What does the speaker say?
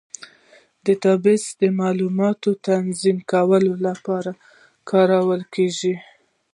ډیټابیس د معلوماتو تنظیم کولو لپاره کارول کېږي.